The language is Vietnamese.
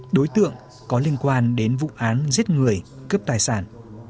đối tượng có liên quan đến vụ án giết người cướp tài sản